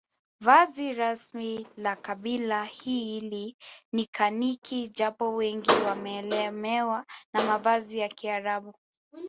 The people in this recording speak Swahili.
Vazi rasmi la kabila hili ni kaniki japo wengi wameelemewa na mavazi ya kiarabu